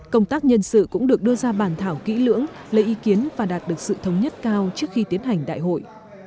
công tác nhân sự cũng được đưa ra bàn thảo kỹ lưỡng lấy ý kiến và đạt được sự thống nhất cao trước khi tiến hành đại hội